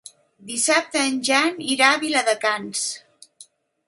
Dissabte en Jan irà a Viladecans.